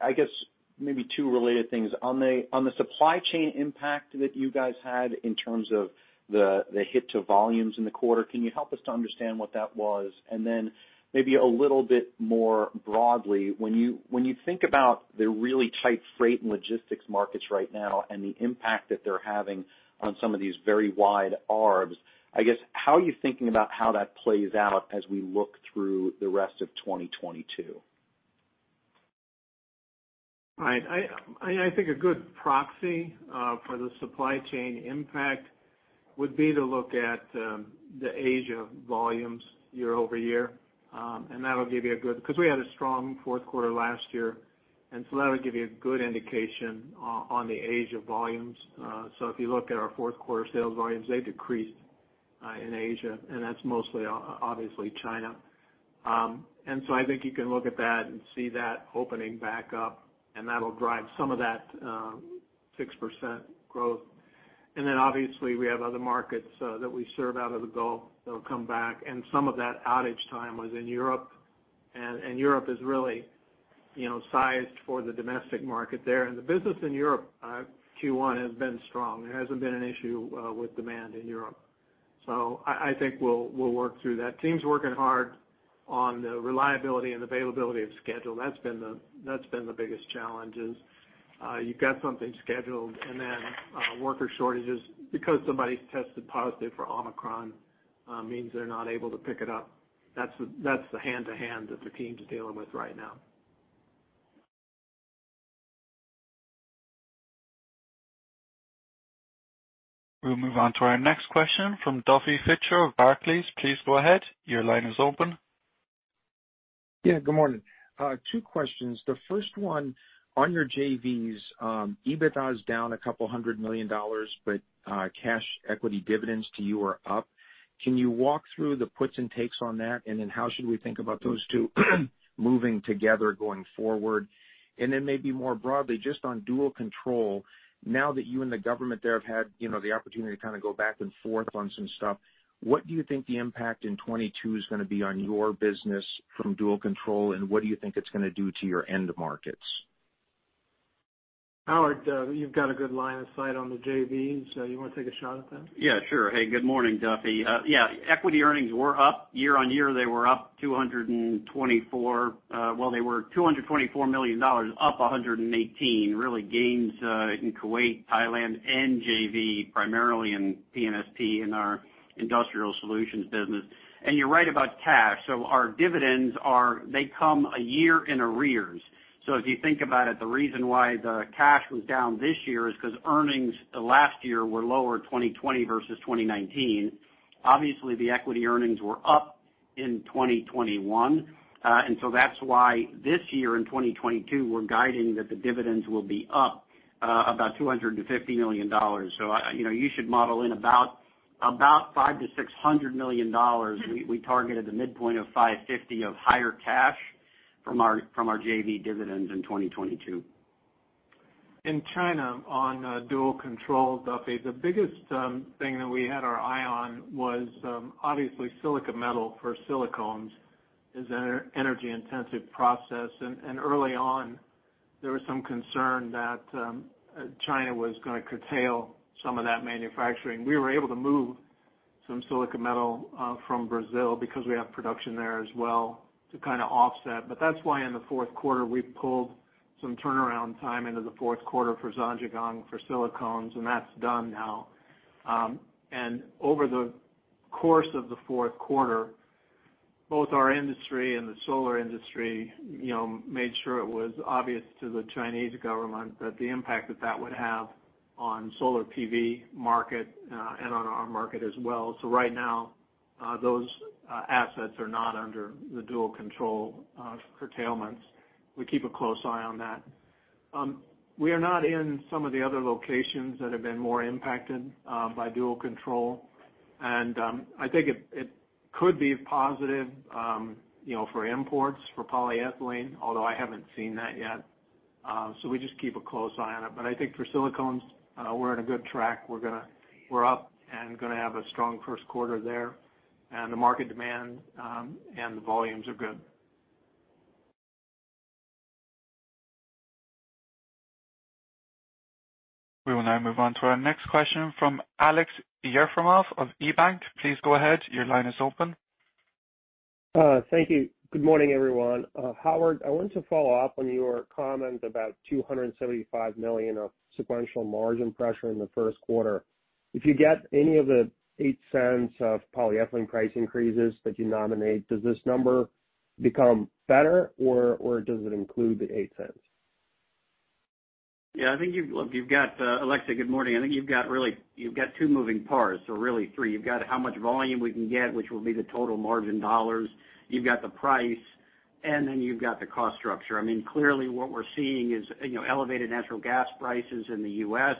I guess maybe two related things. On the supply chain impact that you guys had in terms of the hit to volumes in the quarter, can you help us to understand what that was? Maybe a little bit more broadly, when you think about the really tight freight and logistics markets right now and the impact that they're having on some of these very wide arbs, I guess, how are you thinking about how that plays out as we look through the rest of 2022? Right. I think a good proxy for the supply chain impact would be to look at the Asia volumes year-over-year, and that'll give you a good indication on the Asia volumes because we had a strong fourth quarter last year. If you look at our fourth quarter sales volumes, they decreased in Asia, and that's mostly obviously China. I think you can look at that and see that opening back up, and that'll drive some of that 6% growth. Obviously, we have other markets that we serve out of the Gulf that'll come back. Some of that outage time was in Europe. Europe is really, you know, sized for the domestic market there. The business in Europe Q1 has been strong. There hasn't been an issue with demand in Europe. I think we'll work through that. Team's working hard on the reliability and availability of schedule. That's been the biggest challenge. You've got something scheduled, and then worker shortages because somebody's tested positive for Omicron means they're not able to pick it up. That's the hand-to-hand that the team's dealing with right now. We'll move on to our next question from Duffy Fischer of Barclays. Please go ahead. Your line is open. Yeah, good morning. Two questions. The first one on your JVs, EBITDA is down $200 million, but cash equity dividends to you are up. Can you walk through the puts and takes on that? And then how should we think about those two moving together going forward? And then maybe more broadly, just on dual control. Now that you and the government there have had the opportunity to kind of go back and forth on some stuff, what do you think the impact in 2022 is gonna be on your business from dual control, and what do you think it's gonna do to your end markets? Howard, you've got a good line of sight on the JVs. You wanna take a shot at that? Sure. Hey, good morning, Duffy. Equity earnings were up. Year-over-year, they were up 224. Well, they were $224 million, up $118 million. Real gains in Kuwait, Thailand, and JV, primarily in P&SP in our industrial solutions business. You're right about cash. Our dividends are, they come a year in arrears. If you think about it, the reason why the cash was down this year is 'cause earnings last year were lower 2020 versus 2019. Obviously, the equity earnings were up in 2021. That's why this year in 2022, we're guiding that the dividends will be up about $250 million. You know, you should model in about $500 million-$600 million. We targeted the midpoint of $550 million of higher cash from our JV dividends in 2022. In China, on dual control, Duffy, the biggest thing that we had our eye on was obviously silicon metal for silicones is an energy-intensive process. Early on, there was some concern that China was gonna curtail some of that manufacturing. We were able to move some silicon metal from Brazil because we have production there as well to kinda offset. That's why in the fourth quarter, we pulled some turnaround time into the fourth quarter for Zhangjiagang for silicones, and that's done now. Over the course of the fourth quarter, both our industry and the solar industry, you know, made sure it was obvious to the Chinese government that the impact that that would have on solar PV market and on our market as well. Right now, those assets are not under the dual control curtailments. We keep a close eye on that. We are not in some of the other locations that have been more impacted by dual control. I think it could be positive, you know, for imports, for polyethylene, although I haven't seen that yet. We just keep a close eye on it. I think for silicones, we're in a good track. We're up and gonna have a strong first quarter there. The market demand and the volumes are good. We will now move on to our next question from Alex Yefremov of KeyBanc. Please go ahead. Your line is open. Thank you. Good morning, everyone. Howard, I wanted to follow up on your comment about $275 million of sequential margin pressure in the first quarter. If you get any of the $0.08 of polyethylene price increases that you nominate, does this number become better or does it include the $0.08? Yeah, I think look, you've got Aleksey, good morning. I think you've got two moving parts or really three. You've got how much volume we can get, which will be the total margin dollars. You've got the price, and then you've got the cost structure. I mean, clearly what we're seeing is, you know, elevated natural gas prices in the U.S.,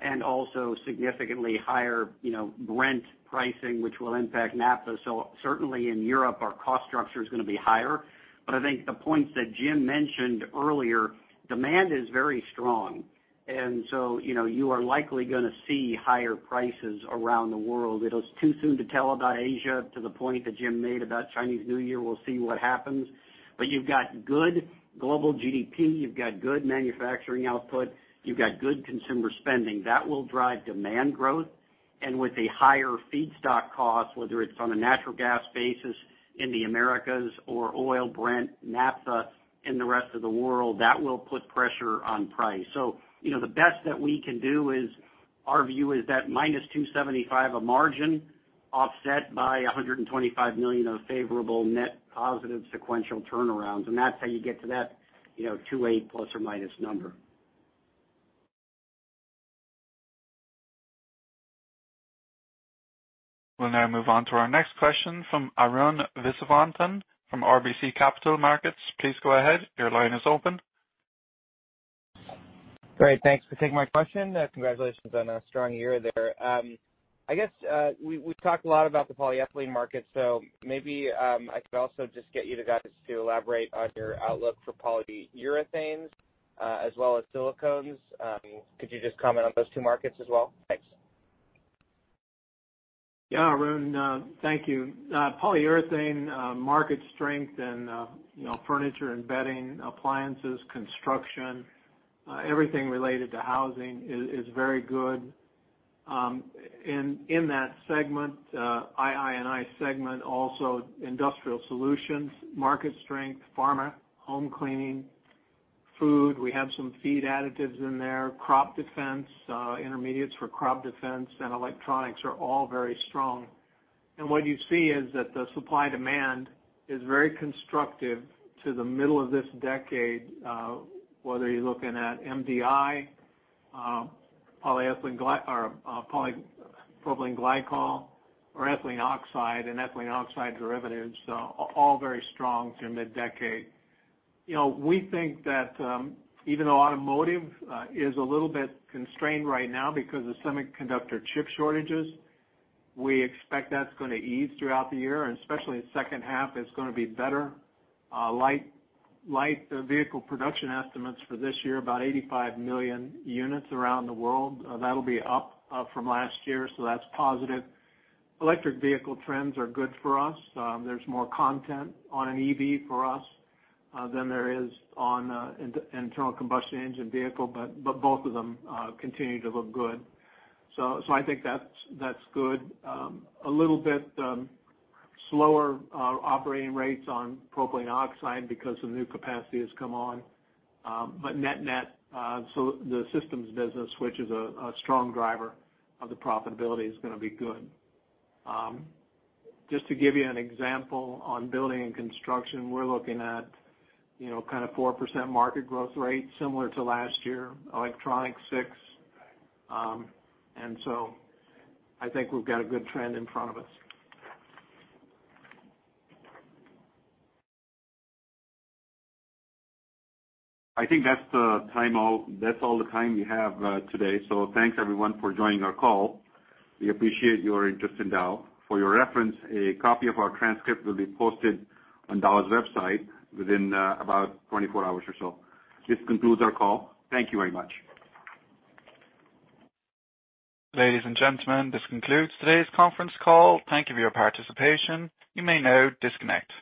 and also significantly higher, you know, Brent pricing, which will impact naphtha. Certainly in Europe, our cost structure is gonna be higher. But I think the points that Jim mentioned earlier, demand is very strong. You know, you are likely gonna see higher prices around the world. It is too soon to tell about Asia to the point that Jim made about Chinese New Year. We'll see what happens. You've got good global GDP, you've got good manufacturing output, you've got good consumer spending. That will drive demand growth. With a higher feedstock cost, whether it's on a natural gas basis in the Americas or oil Brent, naphtha in the rest of the world, that will put pressure on price. You know, the best that we can do is our view is that -$275 million margin offset by $125 million of favorable net positive sequential turnarounds. That's how you get to that, you know, $280 ± number. We'll now move on to our next question from Arun Viswanathan from RBC Capital Markets. Please go ahead. Your line is open. Great. Thanks for taking my question. Congratulations on a strong year there. I guess we talked a lot about the polyethylene market, so maybe I could also just get you guys to elaborate on your outlook for polyurethanes as well as silicones. Could you just comment on those two markets as well? Thanks. Yeah, Arun, thank you. Polyurethane market strength and, you know, furniture and bedding, appliances, construction, everything related to housing is very good. In that segment, II&I segment also industrial solutions, market strength, pharma, home cleaning, food. We have some feed additives in there, crop defense, intermediates for crop defense and electronics are all very strong. What you see is that the supply-demand is very constructive to the middle of this decade, whether you're looking at MDI, polypropylene glycol or ethylene oxide and ethylene oxide derivatives are all very strong through mid-decade. You know, we think that, even though automotive is a little bit constrained right now because of semiconductor chip shortages, we expect that's gonna ease throughout the year, and especially the second half is gonna be better. Light vehicle production estimates for this year, about 85 million units around the world. That'll be up from last year, so that's positive. Electric vehicle trends are good for us. There's more content on an EV for us than there is on an internal combustion engine vehicle, but both of them continue to look good. I think that's good. A little bit slower operating rates on propylene oxide because the new capacity has come on. But net-net, the systems business, which is a strong driver of the profitability is gonna be good. Just to give you an example on building and construction, we're looking at kind of 4% market growth rate similar to last year, electronics 6%. I think we've got a good trend in front of us. I think that's all the time. That's all the time we have, today. Thanks everyone for joining our call. We appreciate your interest in Dow. For your reference, a copy of our transcript will be posted on Dow's website within, about 24 hours or so. This concludes our call. Thank you very much. Ladies and gentlemen, this concludes today's conference call. Thank you for your participation. You may now disconnect.